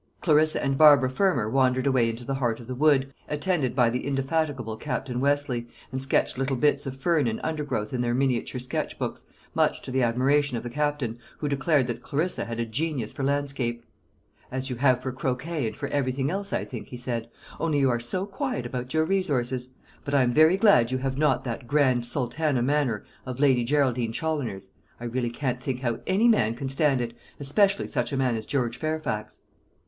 Clarissa and Barbara Fermor wandered away into the heart of the wood, attended by the indefatigable Captain Westleigh, and sketched little bits of fern and undergrowth in their miniature sketch books, much to the admiration of the Captain, who declared that Clarissa had a genius for landscape. "As you have for croquet and for everything else, I think," he said; "only you are so quiet about your resources. But I am very glad you have not that grand sultana manner of Lady Geraldine Challoner's. I really can't think how any man can stand it, especially such a man as George Fairfax."